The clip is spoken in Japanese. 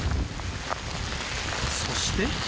そして。